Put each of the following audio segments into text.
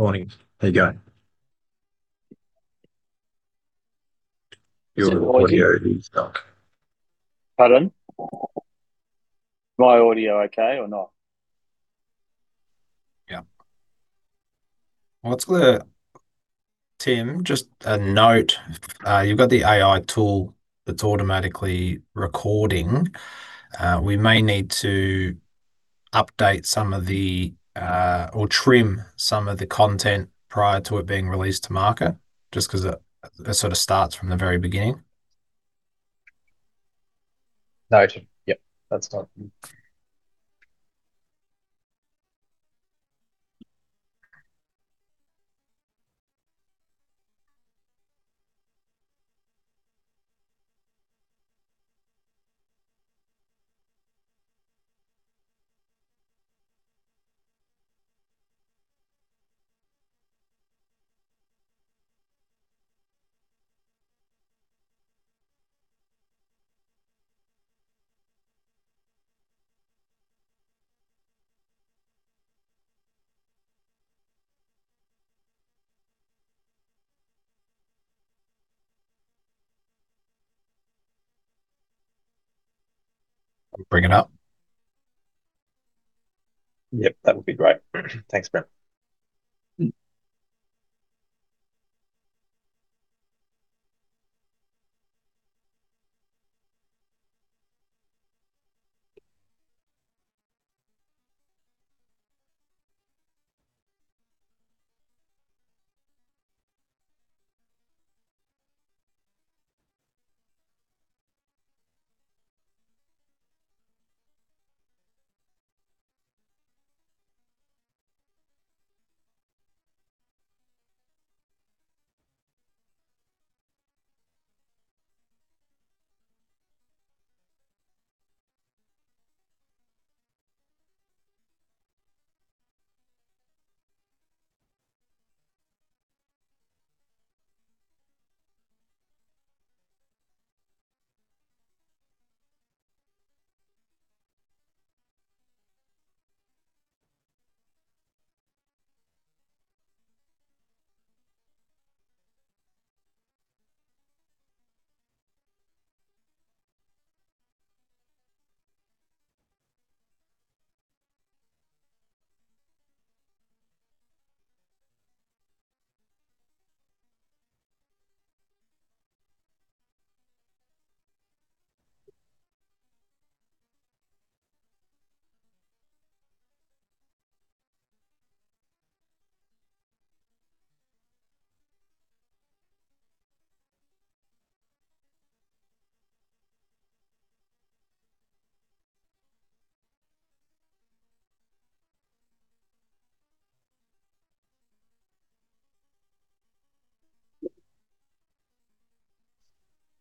Morning. How you going? Your audio is stuck. Pardon? My audio okay or not? Yeah. Well, let's go to Tim, just a note. You've got the AI tool that's automatically recording. We may need to update some of the, or trim some of the content prior to it being released to market, just 'cause it sort of starts from the very beginning. Noted. Yep, that's done. I'll bring it up. Yep, that would be great. Thanks, Brent. Mm.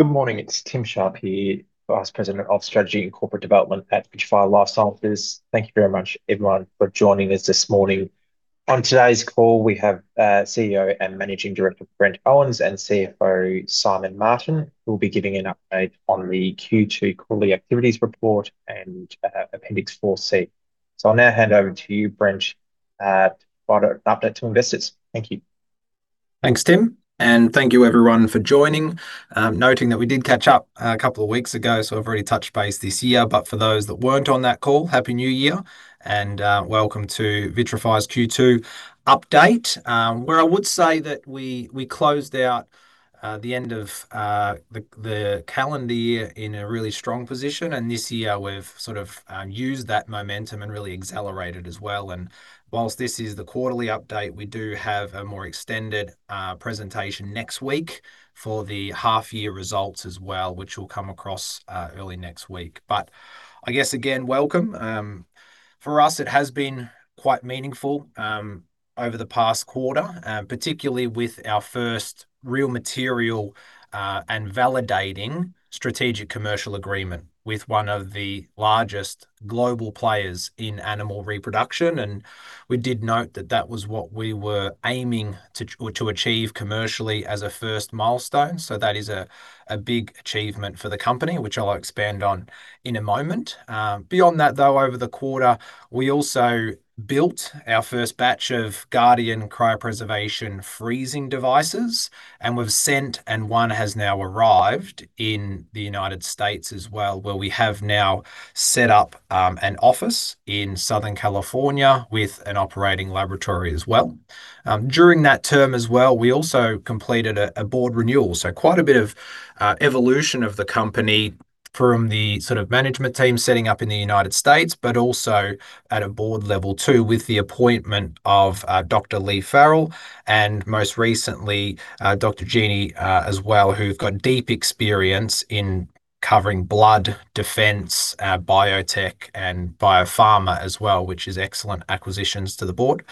Good morning, it's Tim Sharp here, Vice President of Strategy and Corporate Development at Vitrafy Life Sciences. Thank you very much, everyone, for joining us this morning. On today's call, we have CEO and Managing Director, Brent Owens, and CFO, Simon Martin, who will be giving an update on the Q2 quarterly activities report and Appendix 4C. So I'll now hand over to you, Brent, for an update to investors. Thank you. Thanks, Tim, and thank you everyone for joining. Noting that we did catch up a couple of weeks ago, so I've already touched base this year, but for those that weren't on that call, Happy New Year, and welcome to Vitrafy's Q2 update. Where I would say that we closed out the end of the calendar year in a really strong position, and this year we've sort of used that momentum and really accelerated as well. Whilst this is the quarterly update, we do have a more extended presentation next week for the half year results as well, which will come across early next week. But I guess again, welcome. For us, it has been quite meaningful over the past quarter, particularly with our first real material and validating strategic commercial agreement with one of the largest global players in animal reproduction. We did note that that was what we were aiming to achieve commercially as a first milestone, so that is a big achievement for the company, which I'll expand on in a moment. Beyond that, though, over the quarter, we also built our first batch of Guardian cryopreservation freezing devices, and we've sent, and one has now arrived in the United States as well, where we have now set up an office in Southern California with an operating laboratory as well. During that term as well, we also completed a board renewal. So quite a bit of evolution of the company from the sort of management team setting up in the United States, but also at a board level too, with the appointment of Dr. Leigh Farrell, and most recently Dr. Jeannie as well, who've got deep experience in covering blood, defense, biotech, and biopharma as well, which is excellent additions to the board.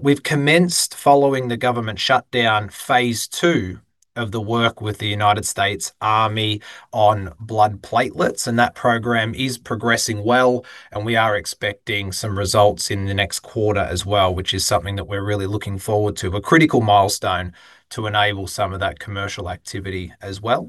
We've commenced following the government shutdown, phase two of the work with the United States Army on blood platelets, and that program is progressing well, and we are expecting some results in the next quarter as well, which is something that we're really looking forward to. A critical milestone to enable some of that commercial activity as well.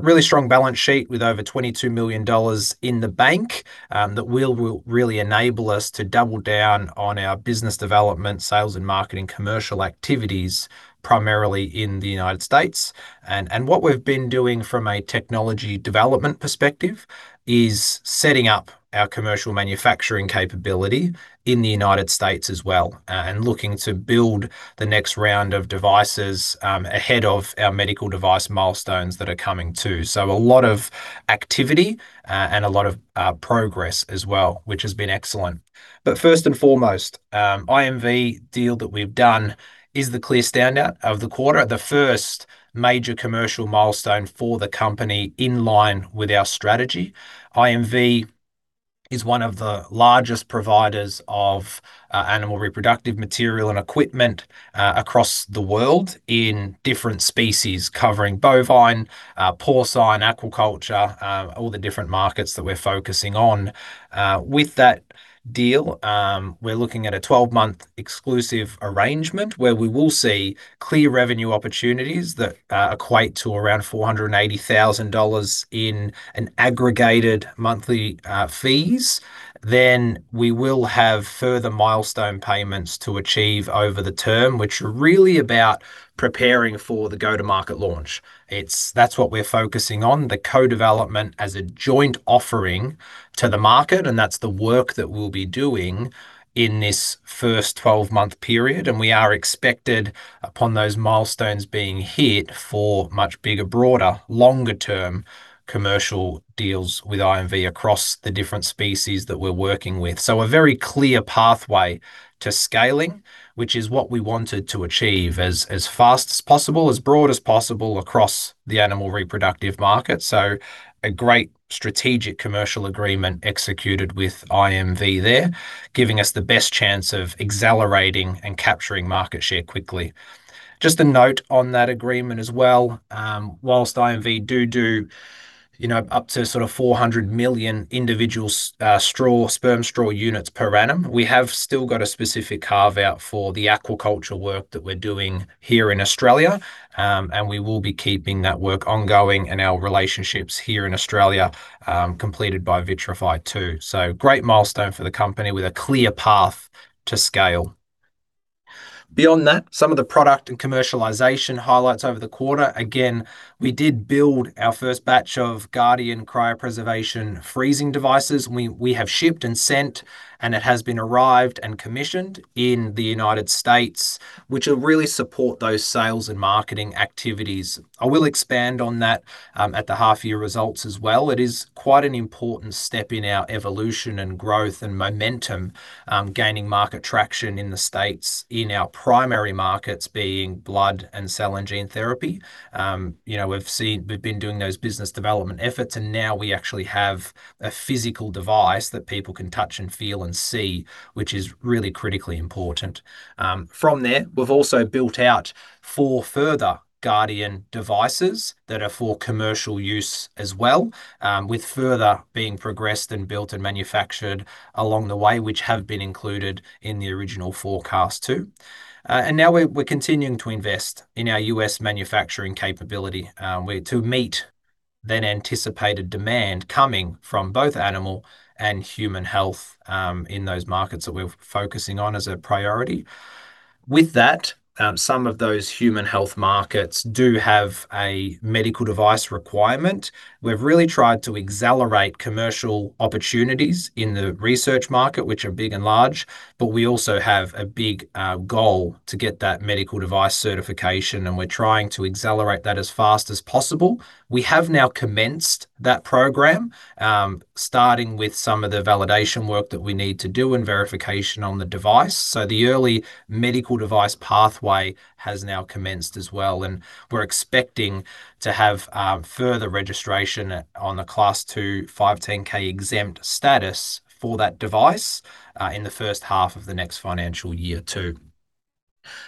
Really strong balance sheet with over 22 million dollars in the bank, that will really enable us to double down on our business development, sales and marketing, commercial activities, primarily in the United States. And what we've been doing from a technology development perspective is setting up our commercial manufacturing capability in the United States as well, and looking to build the next round of devices, ahead of our medical device milestones that are coming too. So a lot of activity, and a lot of progress as well, which has been excellent. But first and foremost, IMV deal that we've done is the clear standout of the quarter, the first major commercial milestone for the company in line with our strategy. IMV is one of the largest providers of animal reproductive material and equipment across the world in different species, covering bovine, porcine, aquaculture, all the different markets that we're focusing on. With that deal, we're looking at a 12-month exclusive arrangement where we will see clear revenue opportunities that equate to around 480,000 dollars in aggregated monthly fees. Then we will have further milestone payments to achieve over the term, which are really about preparing for the go-to-market launch. That's what we're focusing on, the co-development as a joint offering to the market, and that's the work that we'll be doing in this first 12-month period. We are expected, upon those milestones being hit, for much bigger, broader, longer-term commercial deals with IMV across the different species that we're working with. So a very clear pathway to scaling, which is what we wanted to achieve as fast as possible, as broad as possible across the animal reproductive market. So a great strategic commercial agreement executed with IMV there, giving us the best chance of accelerating and capturing market share quickly. Just a note on that agreement as well, whilst IMV do, you know, up to sort of 400 million individual sperm straw units per annum, we have still got a specific carve-out for the aquaculture work that we're doing here in Australia, and we will be keeping that work ongoing and our relationships here in Australia, completed by Vitrafy too. So great milestone for the company with a clear path to scale. Beyond that, some of the product and commercialization highlights over the quarter. Again, we did build our first batch of Guardian cryopreservation freezing devices. We have shipped and sent, and it has arrived and been commissioned in the United States, which will really support those sales and marketing activities. I will expand on that at the half-year results as well. It is quite an important step in our evolution and growth and momentum, gaining market traction in the States, in our primary markets being blood, cell, and gene therapy. You know, we've seen. We've been doing those business development efforts, and now we actually have a physical device that people can touch and feel and see, which is really critically important. From there, we've also built out four further Guardian devices that are for commercial use as well, with further being progressed and built and manufactured along the way, which have been included in the original forecast too. And now we're continuing to invest in our U.S. manufacturing capability to meet the anticipated demand coming from both animal and human health in those markets that we're focusing on as a priority. With that, some of those human health markets do have a medical device requirement. We've really tried to accelerate commercial opportunities in the research market, which are big and large, but we also have a big goal to get that medical device certification, and we're trying to accelerate that as fast as possible. We have now commenced that program, starting with some of the validation work that we need to do and verification on the device. So the early medical device pathway has now commenced as well, and we're expecting to have further registration at, on the Class II 510(k) exempt status for that device, in the first half of the next financial year too.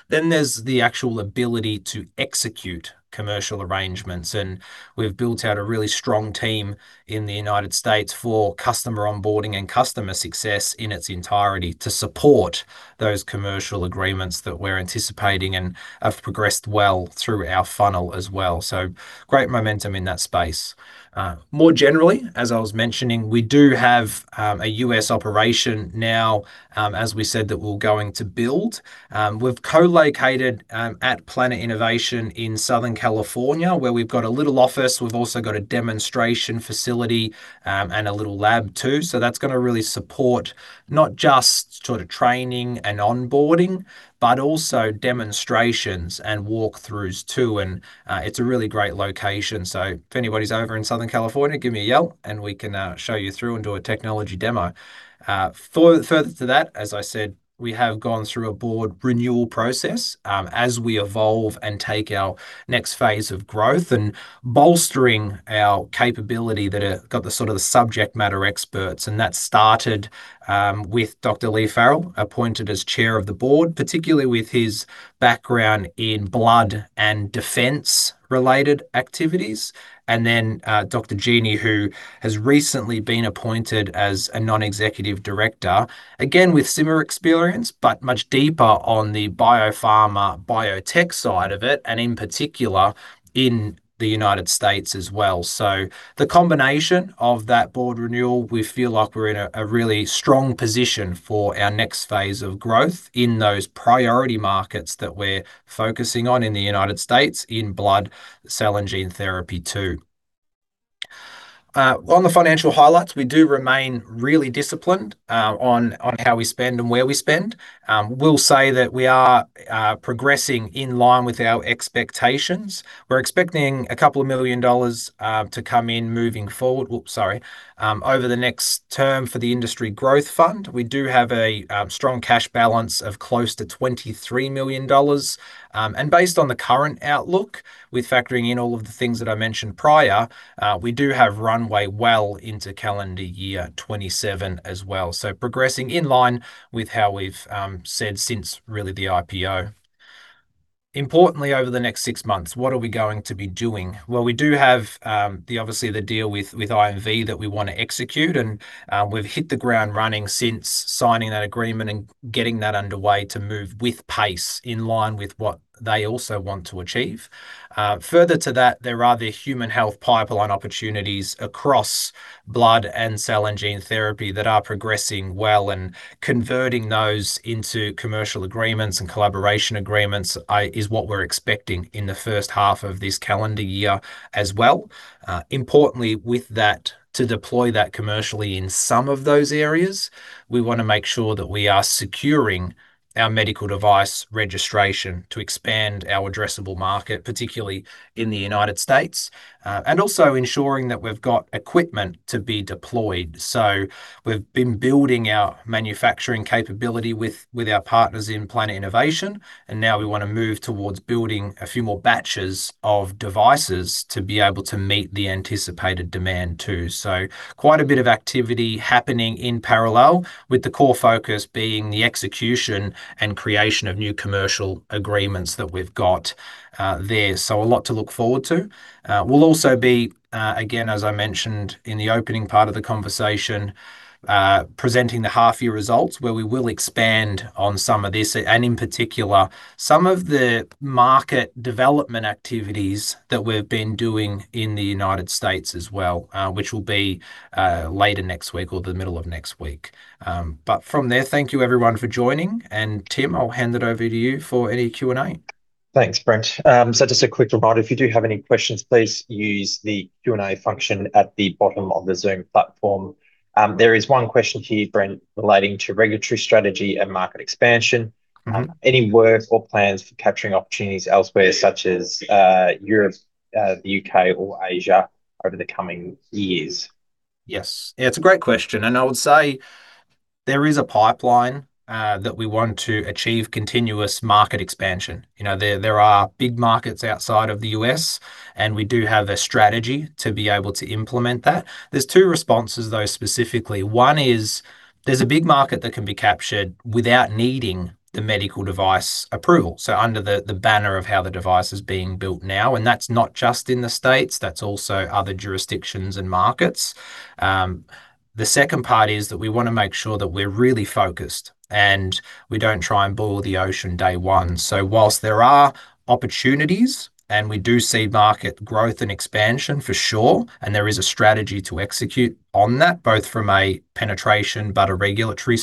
Then there's the actual ability to execute commercial arrangements, and we've built out a really strong team in the United States for customer onboarding and customer success in its entirety to support those commercial agreements that we're anticipating and have progressed well through our funnel as well. So great momentum in that space. More generally, as I was mentioning, we do have a U.S. operation now, as we said, that we're going to build. We've co-located at Planet Innovation in Southern California, where we've got a little office. We've also got a demonstration facility and a little lab too. So that's gonna really support not just sort of training and onboarding, but also demonstrations and walkthroughs too, and it's a really great location. So if anybody's over in Southern California, give me a yell, and we can show you through and do a technology demo. Further to that, as I said, we have gone through a board renewal process, as we evolve and take our next phase of growth and bolstering our capability, and we've got the sort of subject matter experts, and that started with Dr. Leigh Farrell, appointed as chair of the board, particularly with his background in blood and defense-related activities. Dr. Jeannie, who has recently been appointed as a non-executive director, again, with similar experience, but much deeper on the biopharma, biotech side of it, and in particular, in the United States as well. So the combination of that board renewal, we feel like we're in a really strong position for our next phase of growth in those priority markets that we're focusing on in the United States, in blood, cell, and gene therapy too. On the financial highlights, we do remain really disciplined on how we spend and where we spend. We'll say that we are progressing in line with our expectations. We're expecting a couple of million dollars to come in moving forward. Oops, sorry, over the next term for the Industry Growth Fund. We do have a strong cash balance of close to 23 million dollars. And based on the current outlook, with factoring in all of the things that I mentioned prior, we do have runway well into calendar year 2027 as well. So progressing in line with how we've said since really the IPO. Importantly, over the next six months, what are we going to be doing? Well, we do have the obviously the deal with, with IMV that we want to execute, and we've hit the ground running since signing that agreement and getting that underway to move with pace in line with what they also want to achieve. Further to that, there are the human health pipeline opportunities across blood and cell and gene therapy that are progressing well, and converting those into commercial agreements and collaboration agreements is what we're expecting in the first half of this calendar year as well. Importantly, with that, to deploy that commercially in some of those areas, we want to make sure that we are securing our medical device registration to expand our addressable market, particularly in the United States. Also ensuring that we've got equipment to be deployed. We've been building our manufacturing capability with our partners in Planet Innovation, and now we want to move towards building a few more batches of devices to be able to meet the anticipated demand, too. So quite a bit of activity happening in parallel, with the core focus being the execution and creation of new commercial agreements that we've got there. So a lot to look forward to. We'll also be, again, as I mentioned in the opening part of the conversation, presenting the half-year results, where we will expand on some of this, and in particular, some of the market development activities that we've been doing in the United States as well, which will be later next week or the middle of next week. But from there, thank you everyone for joining, and Tim, I'll hand it over to you for any Q&A. Thanks, Brent. Just a quick reminder, if you do have any questions, please use the Q&A function at the bottom of the Zoom platform. There is one question here, Brent, relating to regulatory strategy and market expansion. Mm-hmm. Any work or plans for capturing opportunities elsewhere, such as Europe, the U.K. or Asia over the coming years? Yes. It's a great question, and I would say there is a pipeline, that we want to achieve continuous market expansion. You know, there, there are big markets outside of the U.S., and we do have a strategy to be able to implement that. There's two responses, though, specifically. One is, there's a big market that can be captured without needing the medical device approval, so under the banner of how the device is being built now, and that's not just in the States, that's also other jurisdictions and markets. The second part is that we want to make sure that we're really focused, and we don't try and boil the ocean day one. So whilst there are opportunities, and we do see market growth and expansion for sure, and there is a strategy to execute on that, both from a penetration but a regulatory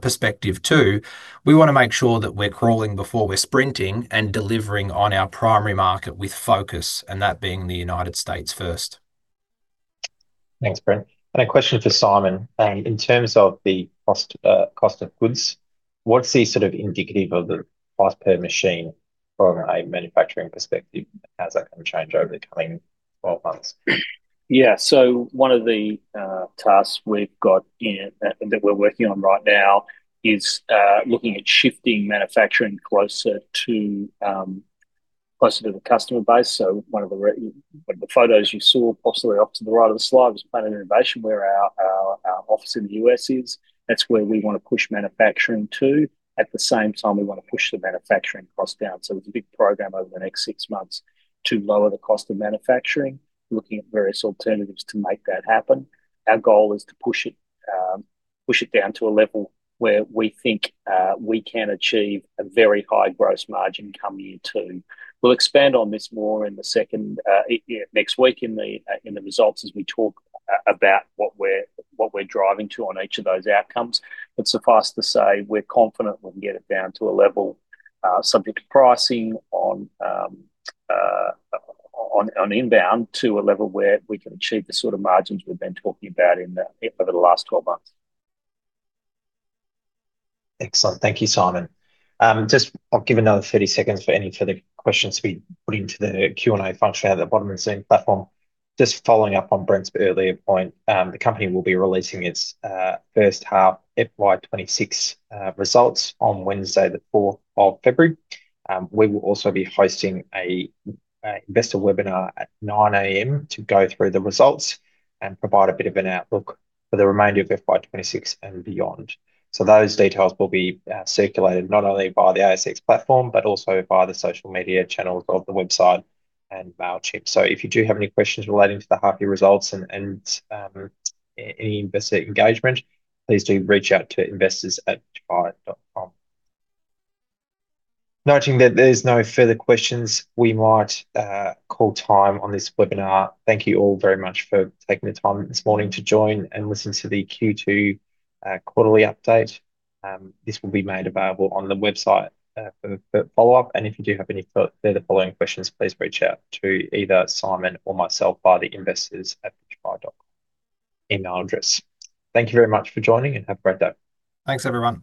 perspective too, we want to make sure that we're crawling before we're sprinting and delivering on our primary market with focus, and that being the United States first. Thanks, Brent. And a question for Simon. In terms of the cost, cost of goods, what's the sort of indicative of the price per machine from a manufacturing perspective? How's that going to change over the coming 12 months? Yeah. So one of the tasks we've got that we're working on right now is looking at shifting manufacturing closer to the customer base. So one of the photos you saw possibly off to the right of the slide was Planet Innovation, where our office in the U.S. is. That's where we want to push manufacturing to. At the same time, we want to push the manufacturing cost down. So there's a big program over the next six months to lower the cost of manufacturing, looking at various alternatives to make that happen. Our goal is to push it down to a level where we think we can achieve a very high gross margin come year two. We'll expand on this more in the second next week in the results as we talk about what we're driving to on each of those outcomes. But suffice to say, we're confident we can get it down to a level subject to pricing on inbound to a level where we can achieve the sort of margins we've been talking about over the last 12 months. Excellent. Thank you, Simon. Just I'll give another 30 seconds for any further questions to be put into the Q&A function at the bottom of the Zoom platform. Just following up on Brent's earlier point, the company will be releasing its first half FY 2026 results on Wednesday, the 4th of February. We will also be hosting an investor webinar at 9:00 A.M. to go through the results and provide a bit of an outlook for the remainder of FY 2026 and beyond. So those details will be circulated not only via the ASX platform, but also via the social media channels of the website and Mailchimp. So if you do have any questions relating to the half-year results and any investor engagement, please do reach out to investors@vitrafy.com. Noting that there's no further questions, we might call time on this webinar. Thank you all very much for taking the time this morning to join and listen to the Q2 quarterly update. This will be made available on the website for follow-up, and if you do have any further following questions, please reach out to either Simon or myself via the investors@vitrafy.com email address. Thank you very much for joining, and have a great day. Thanks, everyone.